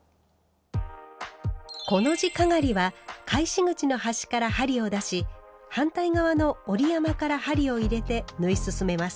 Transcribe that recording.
コの字かがりは返し口の端から針を出し反対側の折り山から針を入れて縫い進めます。